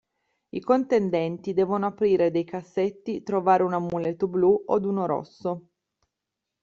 I contendenti devono aprire dei cassetti trovare un amuleto blu od uno rosso.